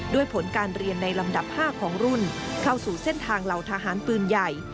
ผลการเรียนในลำดับ๕ของรุ่นเข้าสู่เส้นทางเหล่าทหารปืนใหญ่